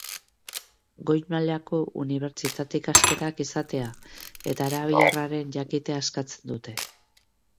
Goi mailako unibertsitate ikasketak izatea eta arabiarraren jakitea eskatzen dute.